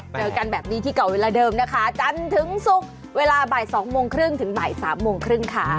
เจอกันแบบนี้ที่เก่าเวลาเดิมนะคะจันทร์ถึงศุกร์เวลาบ่าย๒โมงครึ่งถึงบ่าย๓โมงครึ่งค่ะ